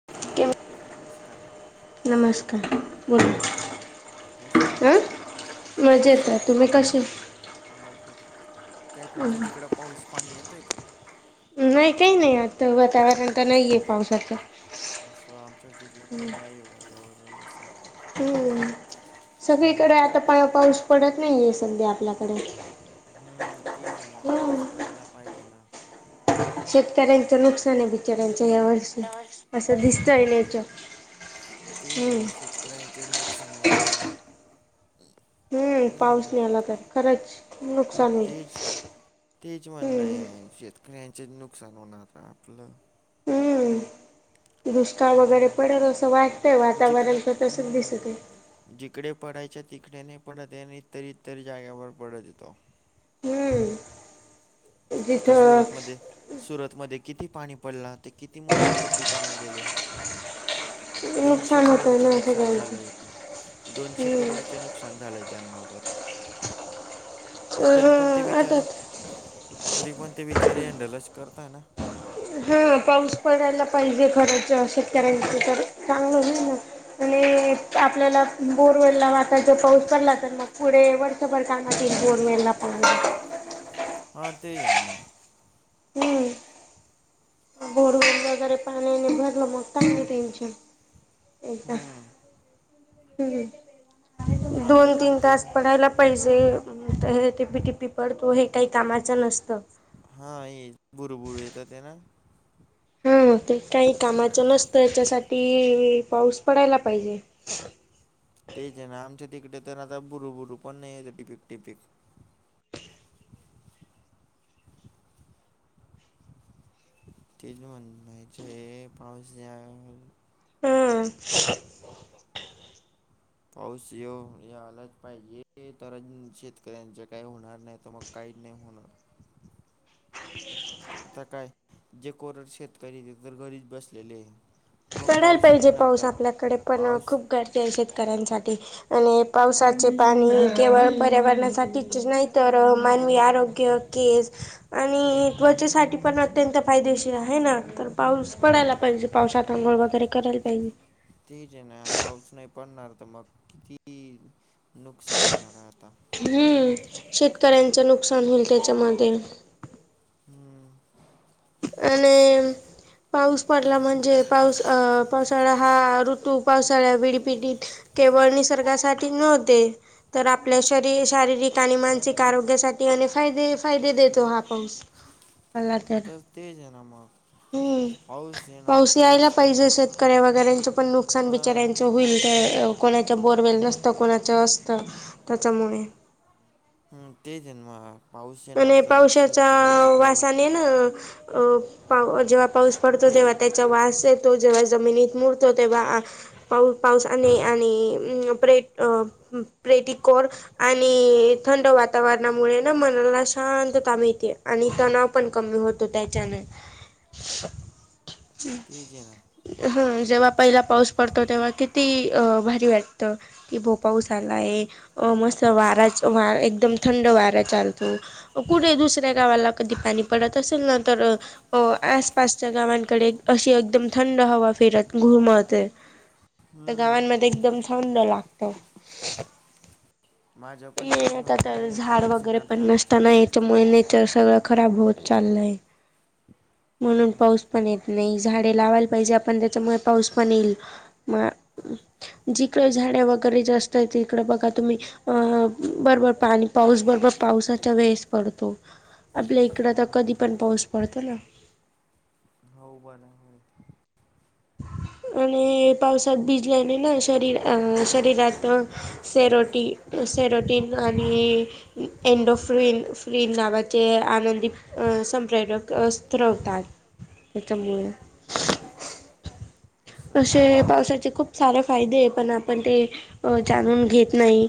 [unintelligible] नमस्कार. अच्छा, कसा हव तुम्ही. मजेत आहेत तुम्ही कशी? [unintelligible] काय तुमच्या तिकडं पाऊस पाणी येतोय का. नाही काही नाही आत वातावरण तर नाहीे आहे पावसाच. असं आमच्या तिकडे पण नाही, आहे वातावरण असं आता. सगळीकडे आता पा पाऊस पडत नाही, आहे सध्या आपल्याकडे. हम्म, तेच आहे ना पाऊस पडायला पाहिजे ना. शेतकऱ्यांचं नुकसान आहे, बिचाऱ्याचा यावर्षी. [unintelligible] हा तेच आहे. तेज आहे शेत त्याचेच नुकसान होणार ना. हम्म, पाऊस नाही आला तर, खरंच नुकसान. तेच तेच म्हणे आहे, शेतकऱ्यांचे नुकसान होणार आपलं. दृष्काळ वगैरे पडेल असं वाटतय वातावरण तर तसच दिसत आहे. जिकडे पडायचे तिकडे नाही पडत, आणि इतर इतर जाग्यावर पडत येतो. आता सुरतमध्ये. सुरतमध्ये किती पाणी पडला, ते किती मोबाईलचे दुकानं गेले. दोनशे करोडचे नुकसान झालंय, दोनशे करोडचे नुक नुसान झालंय त्यांना तर, तरी पण ते बिचारे. तरी पण ते विचारी हँडलच करत ना. हां पाऊस पडायला पाहिजे खरच शेतकऱ्यांच तर चांगलं होईल ना. आणि आपल्याला बोरवेला, वाटायचं पाऊस पडला तर मग पुढे वर्ष. बर काना तीस बोर् मेला पा. हा ते मग. बोरवेला वगैरे पाणीने भरलं, मग कसल टेन्शन. [unintelligible] हम्. दोन तीन तास पडायला पाहिजे. त हे टीपी टीपी पडतो हे, काही कामाचं नसतं. हा ये बुरु बुरु येतात येना. हम्म ते काही कामाचं नसतं याच्यासाठी पाऊस पडायला पाहिजे. तेच आहे ना, आमच्या तिकडे तर आता बुरु बुरू पण नाही येत टिपीक टिपीक. तेच म्हणाचे पावसामुळं. हम. ‌ [inaudible] पाऊस व्हो आलाच पाहिजे, तर शेतकऱ्यांच काही होणार नाही तर मग. काही नाही होणार. आता काय जे कोरड शेतकरी, ते तर घरीच बसलेले ये. पडयला पाहिजे पाऊस आपल्याकडे, पण अ खूप गर ते शेतकऱ्यांसाठी आणि पावसाचे पाणी केवळ पर्यावरणासाठीच नाही तर, मानवी आरोग्य केस. आणि त्वचेसाठी पण अत्यंत फायदेशीर आहे ना, तर पाऊस पडायला पाहिजे. पावसात अंघोळ तरी करायला पाहिजे. तेच आहे ना, पाऊस नाही पडणार तर मग किती. नुकसान होणार आहे आता. हम्म. शेतकऱ्यांचं नुकसान होईल त्याच्यामध्ये. हम्म. [inaudible] पाऊस पडला म्हणजे पाऊस अ पावसाळा हा ऋतू पावसाळ्या विडीपिडीत केवळ निसर्गासाठी नव्हते. तर आपल्या शरी-शारीरिक आणि मानसिक आरोग्यासाठी अने फायदे फायदे देतो हा पाऊस. [unintelligible] तेच आहे ना मग. पाऊस यायला पाहिजे. शेतकऱ्या वगैरच पण नुकसान बिचऱ्यांच होईल ते अ कोणाच्या बोरवेल नसतं, कोणाचं असतं त्याच्यामुळे. हा तेच आहे ना मग, पाऊस येणार तरच शेतकऱ्यांचे काय हो अं पा जेव्हा पाऊस पडतो तेव्हा त्याचा वास येतो, जेव्हा जमिनीत मुरतो तेव्हा पा-पाऊस आणि आणि अ प्रे-प्रेटिकोर आणि थंड वातावरणामुळे ना मनाला शांतता मिळते आणि तणाव पण कमी होतो त्याच्याने. हम्म. हा जेव्हा पहिला पाऊस पडतो तेव्हा किती अ भारी वाटतं. कि भो पाऊस आलाय. अ मस्त वारा वा एकदम थंड वारा चालतो. कुठे दुसऱ्या गावाला कधी पाणी पडत असेल ना तर अ आसपासच्या गावांकडे अशी एकदम थंड हवा फिरत घुमवते. तर गावांमध्ये एकदम थंड लागतं. नाही आता तर झाड वगैरे पण नसत ना. याच्यामुळे नाही तर सगळं खराब बहोत चाललंय. म्हणून पाऊस पण येत नाही. झाडे लावायला पाहिजे आपण त्याच्यामुळे पाऊस पण येईल. मग जिकडे झाडं वगैरे असतंय तिकडे बघा तुम्ही. अ बरोबर पाणी पाऊस बरोबर पावसा वेळेस पडतो. आपल्या इकडं तर कधी पण पाऊस पडतो ना. हो बरं हो. आणि पावसात भिजल्याने ना शरीर अ शरीरात सरोटी सेरोटीन आणि एंड ऑफ फ्रीन फ्रीन नावाचे आनंदी अ संप्रेरक स्त्रवतात त्याच्यामुळे. असे पावसाचे खूप सारे फायदे आहे पण आपण ते अ जाणून घेत नाही,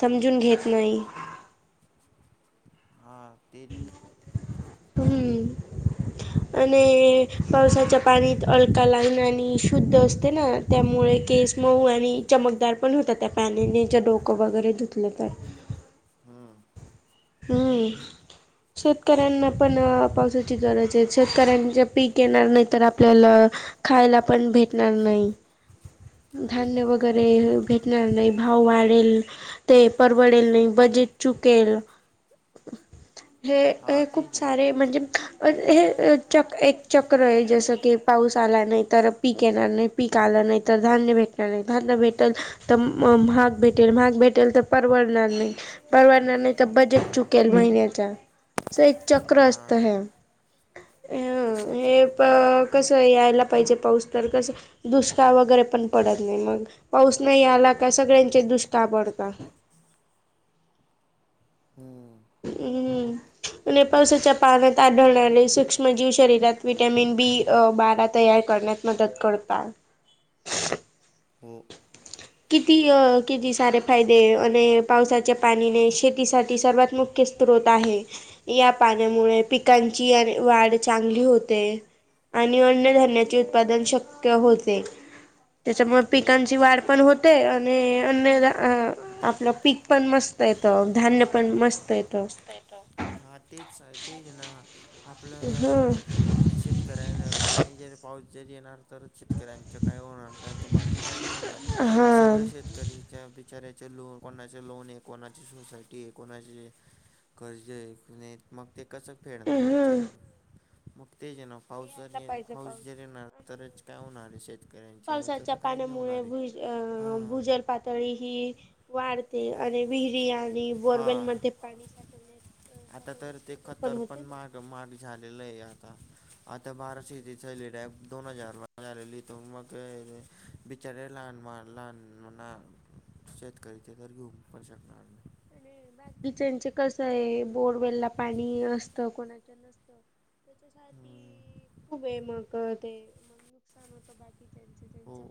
समजून घेत नाही. हा तेच हाय ना. हम्म. आणि पावसाच्या पाणीत अलकालाईन आणि शुद्ध असते ना. त्यामुळे केस मऊ आणि चमकदार पण होतात त्या पाण्याने जर डोकं वगैरे धुतलं तर. हम्म. शेतकऱ्यांना पण पावसाची गरज आहे. शेतकऱ्यांचे पीक येणार नाही तर आपल्याला खायला पण भेटणार नाही. [inaudible] धान्य वगैरे भेटणार नाही, भाव वाढेल. ते परवडेल नाही, बजेट चुकेल. हे हे खूप सारे म्हणजे अर हे चक एक चक्र आहे जसं की पाऊस आला नाही तर पीक येणार नाही पीक आलं नाही तर धान्य भेटणार नाही धान्य भेटल तर महाग भेटल, महाग भेटल तर परवडणार नाही. परवडणार नाही तर बजेट चुकेल महिन्याचा असं एक चक्र असत हे. अ हे प कसं यायला पाहिजे पाऊस, तर कसं दुष्काळ वगैरे पण पडत नाही मग पाऊस नाही आला का सगळ्यांचे दुष्काळ पडता. अम्म हम्म. नेपाळसाच्या पाण्यात आढळणारे सूक्ष्मजीव शरीरात विटॅमिन बी बारा तयार करण्यात मदत करतात [inaudible] किती किती सारे फायदे आणि पावसाच्या पाणीने शेतीसाठी सर्वात मुख्य. स्त्रोत आहे या पाण्यामुळे पिकांची वाढ चांगली होते. आणि अन्य धान्याचे उत्पादन शक्य होते त्याच्यामुळे पिकांची वाढ पण होते आणि अन्य धा आं आपलं पीक पण मस्त येतं धान्य पण मस्त येतं. हा तेच आहे तेज आहे ना आपल्या यारा वर शेतकऱ्यांना पाणी जर पाऊस जर येणार. तर शेतकऱ्यांचं काय होणार नाही तुम्हाला काही नाही होणार सगळे शेतकरी च्या बिचऱ्याचे लो कोणाचे लोन आहे कोणाची सोसायटी आहे कोणाचे कर्जे आहे क नी मग ते कसं फेडणार बिचारीे बघ. मग तेच आहे ना पाऊस जरी येईन पाऊस जर येणार तरच काय होणार शेत पावसाच्या पाण्यामुळे भुज अ भुजल पात तळी ही वाढते आणि विरयान आणि वरवेल मध्ये पाणी साठव साठवण्यास मदत पण होते ना. झालेलं आहे आता. आता बाराशे तले दोन हजार झालेली तो मग बी चरे लहान मार लहान म्हणा शेतकरीचे तर घेऊन पण शकणार नाही. त्या किचनचे कसं आहे बोरवेलला पाणी असतं कोणाच्या नसतं. त्यासाठी खूप वे मगं ते नुकसान होतं.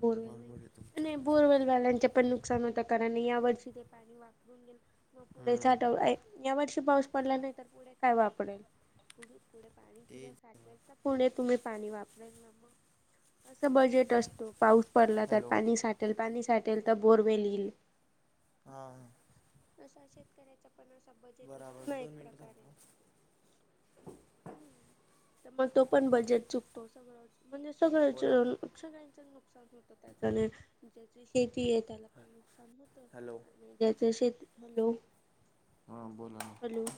पोरं येयले आणि बोरवेलवाल्यांचे पण नुकसान होतं कारण या वर्षी ते पाणी वापरून. [inaudible] मग पुढे साठव आहे या वर्षी पाऊस पडला नाही तर पुढे कायवा पुढेल. [inaudible] पाणी तिथं साठवेल तर पुणे तुम्ही पाणी वापरेल ना मग असं बजेट असतो. पाऊस पडला तर पाणी साठेल पाणी साठेल तर बोरवेल येईल. हा. असा शेतकऱ्याचा पण असा बजेट असतो ना एक प्रकार आहे. ह त्या मग तो पण बजेट चुकतो सगळं. म्हणजे सगळ्याच. नुकसान होत त्या ज्याची शेती आहे त्याला पण नुकसान हो. आणि ज्याच्या शेतीत हॅलो. हां बोला ना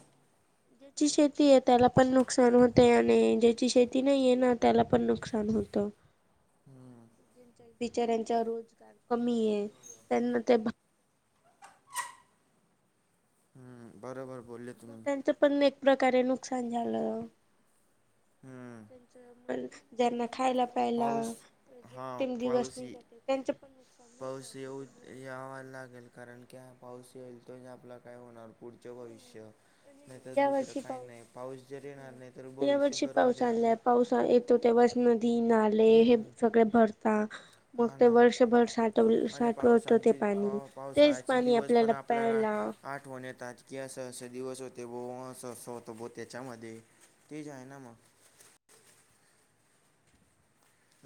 ते ची शेती आहे त्याला पण नुकसान होते आणि ज्याची शेती नाही आहे ना त्याला पण नुकसान होतं. हम्म. ज बिचाऱ्यांचा रोजगार कमी आहे त्यांना ते. हम् बरोबर बोलले. मग त्यांचं पण एक प्रकारे नुकसान झालं. त्यांचं [inaudible] ज्यांना खायला पहिला [inaudible] दिवस निगाते त्यांच पण नुकसान. [inaudible] यावा लागेल, कारण की हे पाऊस येईल तो आपला काय होणार पुढच भविष्य नाही तर दुसरं काही नाही. पाऊस जर येणार नाही तर भविष्य बरबाद आहे ना. पाऊस येतो तेव्हाच नदी, ‌नाले हे सगळे भरता. मग ते वर्षभर साठवल साठवत ते पाणी तेच पाणी आपल्याला प्यायला आठवन येतात की असं अस दिवसो ते बो सह होत बो तेच्यामध्ये. तेज आहे ना मग.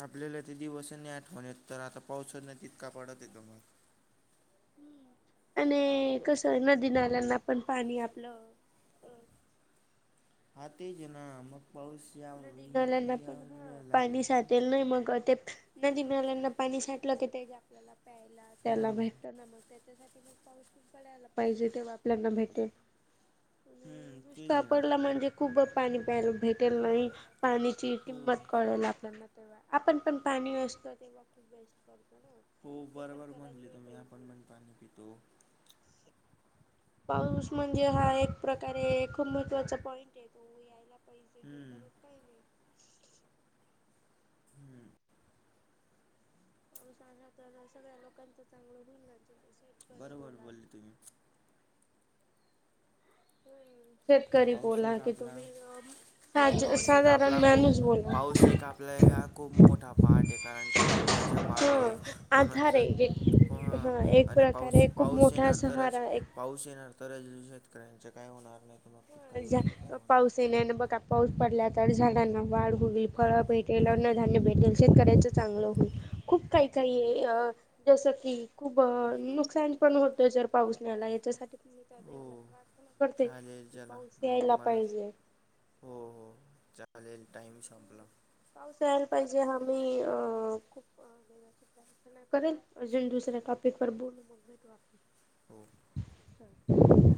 आपल्याला ते दिवसही नाही आठवण येत, तर आता पाऊसत नाही तितका पडत आहे तो मग. आणि कसं नदी, नाल्यांना पण पाणी आपलं हा तेच ना मग पाऊस नदी, नाल्यांना पण हा पाणी सााटेल नाही व, ‌मग ते नदी नाल्यांना पाणी साठलं की ते आपल्याला प्यायला त्याला भेटत ना, मग त्याच्यासाठी मग पाऊस पण पडायला पाहिजे तेव्हा आपल्याना भेटेल [unintelligible] पडला म्हणजे खूप पाणी प्यायला भेटेल नाही, पाण्याची किंमत कळेल आपल्याला. तेव्हा आपण पण पाणी असतो तेव्हा खूप वेस्ट करतो नाही. हो बरोबर म्हणले तुम्ही आपण म्हणतो आणि पितो. पाऊस म्हणजे हा एक प्रकारे खूप महत्त्वाचा पॉईंट आहे. तो यायला हम्म. हम्म. [unintelligible] तर सगळ्या लोकांचं चांगलं होईल ना. बरोबर बोलले तुम्ही. [inaudible] शेतकरी बोला की तुम्ही जर पाऊस एक आपला खूप पाऊस एक आपला हा खूप मोठा पार्ट आहे. कारण की जीवनाच्या पहाटे कोणाच को हां आणि पाऊस पाऊस येणार तरच पाऊस येणार तर अजून शेतकऱ्यांचे काय होणार नाही तुम्हा हं या मग पाऊस येईल आणि बघ आप पाऊस पडल्या तर झाडांना वाढ होईल, फळं भेटेल, अन्नधान्य भेटेल, शेतकऱ्यांचं चांगलं होईल. खूप काही काही आहे. अ जसं की खूप नुकसान पण होतं, जर पाऊस नाही आला. याच्यासाठी मी त्या देवाला प्रार्थना करते. चला. मग मला हो हो. चालेल टाईम संपला. पाऊस यायला पाहिजे हमी अ खूप [unintelligible] करेल अजून दुसर टॉपिक वर बोलेल, मग भेटू आपण हो. [inaudible]